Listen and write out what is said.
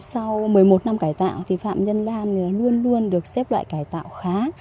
sau một mươi một năm cải tạo thì phạm nhân lan luôn luôn được xếp loại cải tạo khá